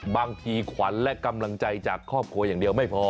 บางทีขวัญและกำลังใจจากครอบครัวอย่างเดียวไม่พอ